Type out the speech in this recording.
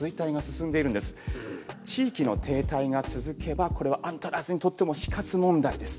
地域の停滞が続けばこれはアントラーズにとっても死活問題です。